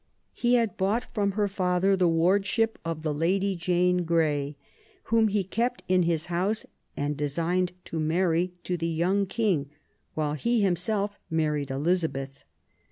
He had bought from her father the wardship of the Lady Jane Grey, whom he kept in his house and designed to marry to the young King, while he himself married Elizabeth.